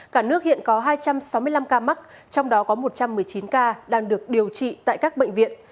cả nước hiện có hai trăm sáu mươi năm ca mắc trong đó có một trăm một mươi chín ca đang được điều trị tại các bệnh viện